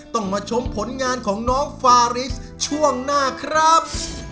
ต้องมาชมผลงานของน้องฟาริสช่วงหน้าครับ